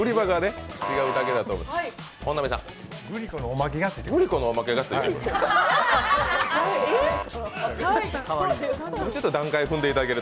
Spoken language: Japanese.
グリコのおまけがついてくる？